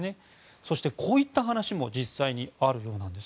そして、こういった話も実際にあるようです。